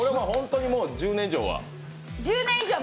もう１０年以上は？